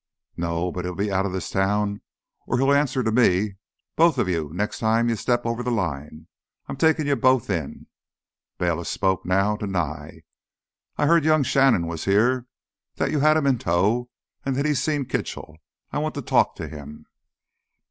"No, but he'll be out of this town or he'll answer to me. Both of you—next time you step over the line, I'm taking you both in!" Bayliss spoke now to Nye. "I heard young Shannon was here, that you had him in tow and that he's seen Kitchell. I want to talk to him."